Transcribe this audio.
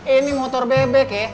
ini motor bebek ya